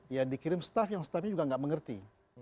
ya dikirim staff yang staffnya juga nggak mengerti